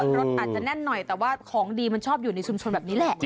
รถอาจจะแน่นหน่อยแต่ว่าของดีมันชอบอยู่ในชุมชนแบบนี้แหละ